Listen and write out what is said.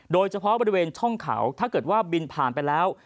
โดยเฉพาะบริเวณช่องเขาถ้าเกิดว่าบินผ่านไปแล้ว